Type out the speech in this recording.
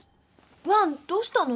ワンどうしたの？